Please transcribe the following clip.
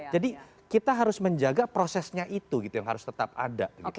jadi kita harus menjaga prosesnya itu yang harus tetap ada